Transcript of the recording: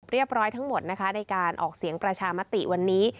ร้อยทั้งหมดนะคะในการออกเสียงประชามติวันนี้